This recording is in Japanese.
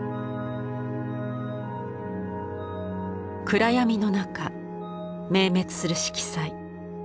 暗闇の中明滅する色彩。